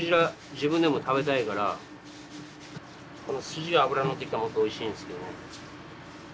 自分でも食べたいからすじが脂のってきたらもっとおいしいんですけどね。